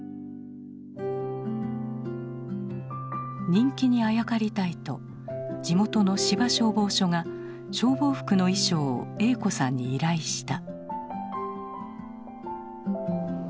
人気にあやかりたいと地元の芝消防署が消防服の衣装を栄子さんに依頼した。